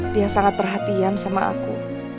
dia sangat perhatian sama aku